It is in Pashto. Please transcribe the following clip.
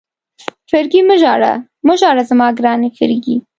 فرګي مه ژاړه، مه ژاړه زما ګرانې فرګي.